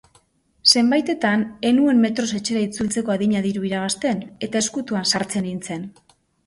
Zenbaitetan ez nuen metroz etxera itzultzeko adina diru irabazten eta ezkutuan sartzen nintzen.